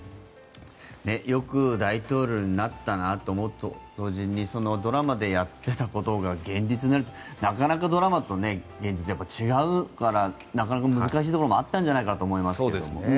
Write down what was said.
よく大統領になったなと思うと同時にドラマでやっていたことが現実になるってなかなかドラマと現実違うからなかなか難しいところもあったんじゃないかなと思いますが。